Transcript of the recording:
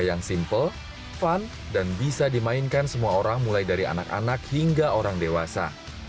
yang simple fun dan bisa dimainkan semua orang mulai dari anak anak hingga orang dewasa